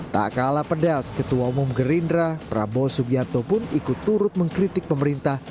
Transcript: tak kalah pedas ketua umum gerindra prabowo subianto pun ikut turut mengkritik pemerintah